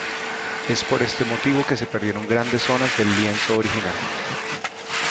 Es por este motivo que se perdieron grandes zonas del lienzo original.